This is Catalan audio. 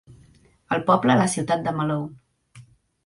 El poble a la ciutat de Malone.